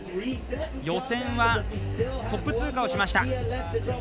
予選はトップ通過をしました。